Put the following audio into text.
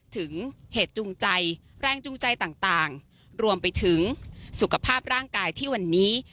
เหตุจูงใจแรงจูงใจต่างรวมไปถึงสุขภาพร่างกายที่วันนี้